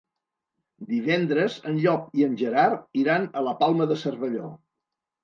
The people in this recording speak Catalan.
Divendres en Llop i en Gerard iran a la Palma de Cervelló.